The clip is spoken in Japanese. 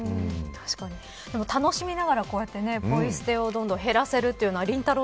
でも楽しみながらこうやってポイ捨てをどんどん減らせるのはりんたろー。